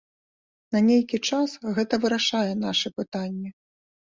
На нейкі час гэта вырашае нашы пытанні.